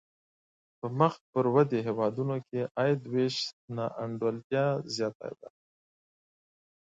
په مخ پر ودې هېوادونو کې د عاید وېش نا انډولتیا زیاته ده.